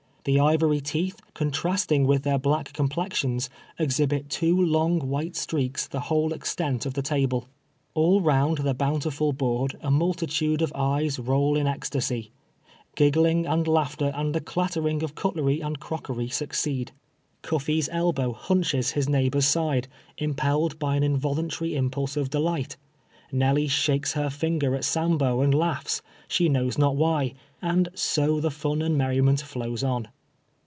The ivory teeth, contrasting with their black complexions, exhibit two long, white streaks the whole extent of the table. All round the bountiful board a multitude of eyes roll in ecstacy. Griggling and laughter and the clattering of cutlery and crockery succeed. Cuf 21G TWELVE YEARS A SLAAT:. fee's oll)in\' Imnclies liis neighbor's side, impelled by an invnluutarv impulse of delight; Nelly shakes her finger at Sambo and laughs, she knows not why, and BO the fun and merriment flows on.